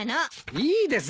いいですね。